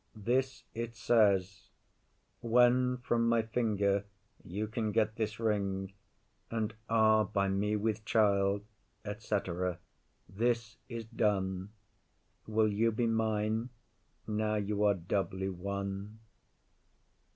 This it says, 'When from my finger you can get this ring, And is by me with child, &c.' This is done; Will you be mine now you are doubly won?